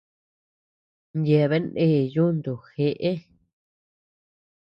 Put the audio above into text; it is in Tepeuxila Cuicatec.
Yeabean ndee yuntu jeʼe.